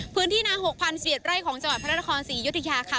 พื้นที่นา๖๐๐๐เบียดไร่ของจังหวัดพระราชคลศรียศรียาค่ะ